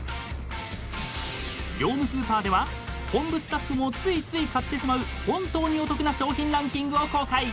［業務スーパーでは本部スタッフもついつい買ってしまう本当にお得な商品ランキングを公開］